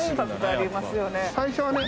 最初はね